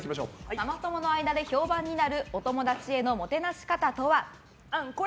ママ友の間で評判になるお友達へのもてなし方とは？